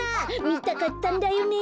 みたかったんだよね。